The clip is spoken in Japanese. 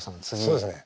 そうですね